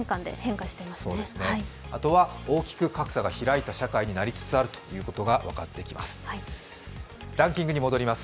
あとは大きく格差が開いた社会になりつつあることが分かってきます。